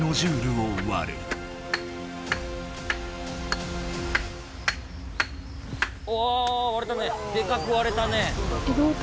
でかくわれたね！